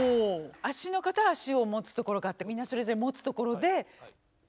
足の方は足を持つところがあってみんなそれぞれ持つところで。